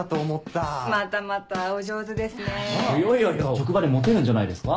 職場でモテるんじゃないですか？